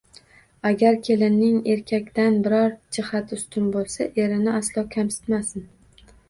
Agar kelinning erkakdan biron jihati ustun bo‘lsa, erini aslo kamsitmasin.